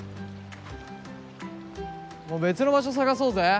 もう別の場所探そうぜ。